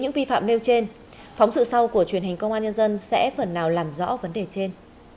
những vi phạm nêu trên phóng sự sau của truyền hình công an nhân dân sẽ phần nào làm rõ vấn đề trên